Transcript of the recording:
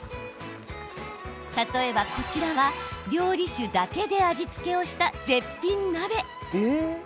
例えば、こちらは料理酒だけで味付けをした絶品鍋。